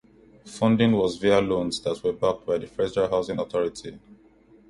Funding was via loans that were backed by the Federal Housing Authority.